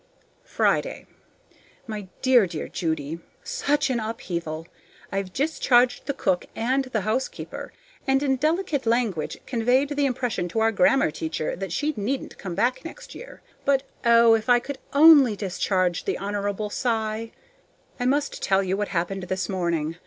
Friday. My dear, dear Judy: Such an upheaval! I've discharged the cook and the housekeeper, and in delicate language conveyed the impression to our grammar teacher that she needn't come back next year. But, oh, if I could only discharge the Honorable Cy! I must tell you what happened this morning.